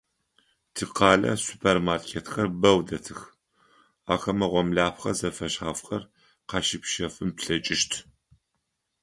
Тикъалэ супермаркетхэр бэу дэтых, ахэмэ гъомлэпхъэ зэфэшъхьафхэр къащыпщэфын плъэкӏыщт.